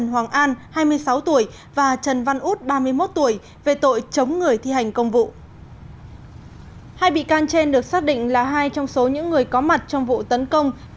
hai bị can trên được xác định là hai trong số những người có mặt trong vụ tấn công